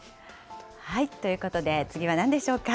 はい、ということで、次はなんでしょうか。